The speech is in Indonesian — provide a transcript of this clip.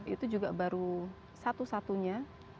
itu juga baru satu satunya